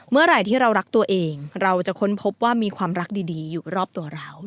เมื่อไหร่ที่เรารักตัวเองเราจะค้นพบว่ามีความรักดีอยู่รอบตัวเรา